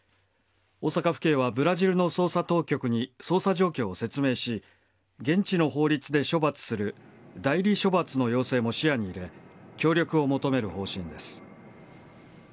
大阪府警はブラジルの捜査当局に捜査状況を説明し現地の法律で処罰する代理処罰の要請も視野に入れ協力を求める方針です。